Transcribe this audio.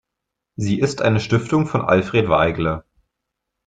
Sie ist eine Stiftung von Alfred Weigle.